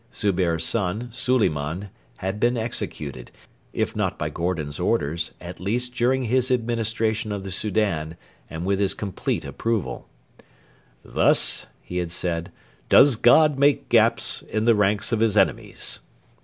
Zubehr's son, Suliman, had been executed, if not by Gordon's orders, at least during his administration of the Soudan and with his complete approval. 'Thus,' he had said, 'does God make gaps in the ranks of His enemies.'